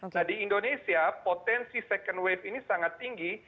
nah di indonesia potensi second wave ini sangat tinggi